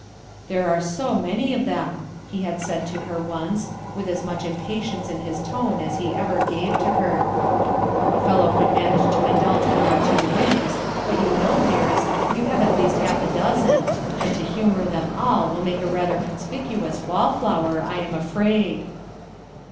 "There are so many of them !" he had said WHIMS 11 to her once, with as much impatience in his tone as he ever gave to her, "A fellow could manage to indulge one or two whim g, but you know, dearest, you have at least half a dozen, and to humor them all will make a rather conspicuous wallflower, I am afraid."